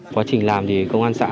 quá trình làm thì công an xã